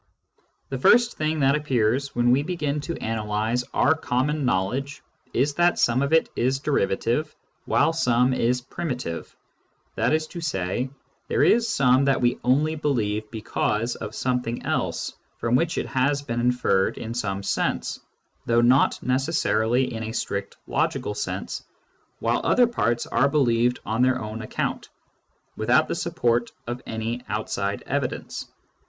The first thing that appears when we begin to analyse our common knowledge is that some of it is derivative, while some is primitive ; that is to say, there is some that we only believe because of something else from which it has been inferred in some sense, though not necessarily in a strict logical sense, while other parts are believed on their own account, without the support of any outside evidence.